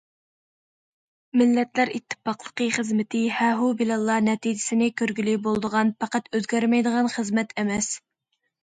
مىللەتلەر ئىتتىپاقلىقى خىزمىتى ھە- ھۇ بىلەنلا نەتىجىسىنى كۆرگىلى بولىدىغان، پەقەت ئۆزگەرمەيدىغان خىزمەت ئەمەس.